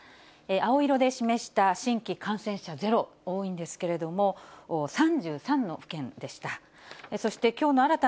青色で示した新規感染者０多いんですけれども、３３の府県でした。